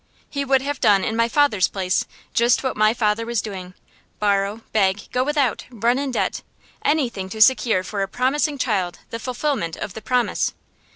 He would have done in my father's place just what my father was doing: borrow, beg, go without, run in debt anything to secure for a promising child the fulfilment of the promise.